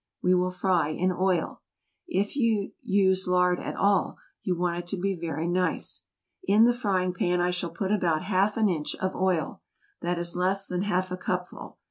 We will fry in oil. If you use lard at all you want it to be very nice. In the frying pan I shall put about half an inch of oil; that is less than half a cupful.